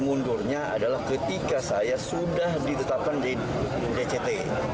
mundurnya adalah ketika saya sudah ditetapkan di dct